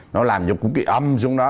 nó làm cho cũng bị âm xuống đó